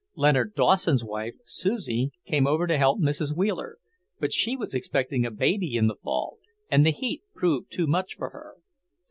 Leonard Dawson's wife, Susie, came over to help Mrs. Wheeler, but she was expecting a baby in the fall, and the heat proved too much for her.